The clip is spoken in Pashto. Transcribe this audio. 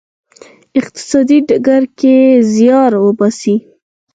اقتصادي ډګر کې زیار وباسی.